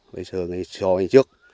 bây giờ ngay so với trước